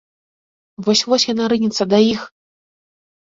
Вось-вось яна рынецца да іх.